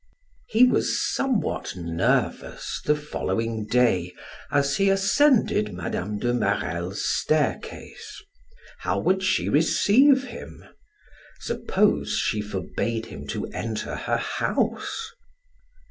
He was somewhat nervous the following day as he ascended Mme. de Marelle's staircase. How would she receive him? Suppose she forbade him to enter her house?